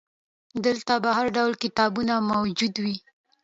دلته به هرډول کتابونه موجود وي.